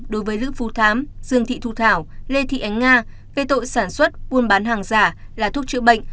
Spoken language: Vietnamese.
đối với lữ phú thám dương thị thu thảo lê thị ánh nga về tội sản xuất buôn bán hàng giả là thuốc chữa bệnh